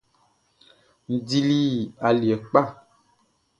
N dili aliɛ kpa.